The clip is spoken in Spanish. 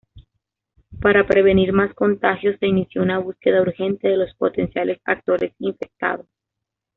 Para prevenir más contagios, se inició una búsqueda urgente de los potenciales actores infectados.